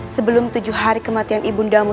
sebelum tujuh hari kematian ibu ndamu